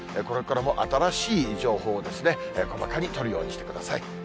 これからも、新しい情報をですね、細かに取るようにしてください。